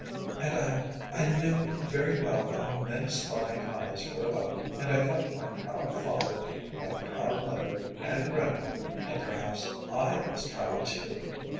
And I I knew very well how many spying eyes were about, and I thought of my proud father and my proud mother and grandmother, and perhaps I was proud, too.